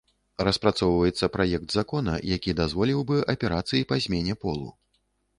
Распрацоўваецца праект закона, які дазволіў бы аперацыі па змене полу.